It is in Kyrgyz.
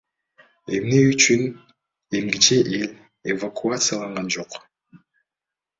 Эмне үчүн эмгиче эл эвакуацияланган эмес?